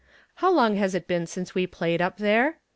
How long has it been since we played up there?